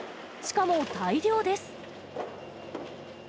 しかも大漁です。